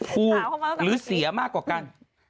ผู้หรือเสียมากกว่ากัน